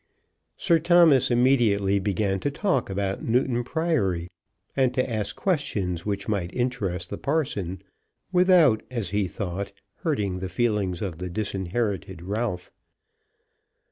Sir Thomas immediately began to talk about Newton Priory, and to ask questions which might interest the parson without, as he thought, hurting the feelings of the disinherited Ralph.